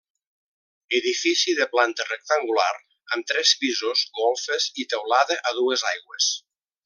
Edifici de planta rectangular amb tres pisos, golfes i teulada a dues aigües.